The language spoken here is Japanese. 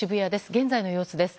現在の様子です。